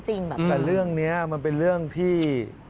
แต่เรื่องนี้มันเป็นเรื่องที่